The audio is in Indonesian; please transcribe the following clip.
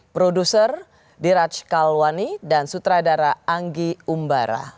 produser diraj kalwani dan sutradara anggi umbara